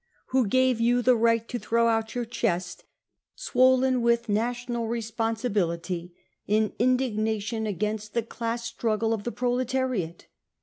,,. Who gave you the m % right to throw out your chest, swollen with national responsibility, in indignation against the class struggle * of t&e proletariat